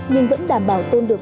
nhưng vẫn đảm bảo tôn được